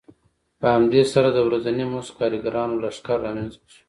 په همدې سره د ورځني مزد کارګرانو لښکر رامنځته شو